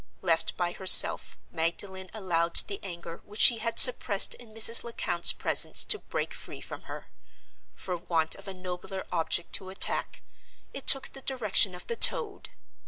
Left by herself, Magdalen allowed the anger which she had suppressed in Mrs. Lecount's presence to break free from her. For want of a nobler object to attack, it took the direction of the toad.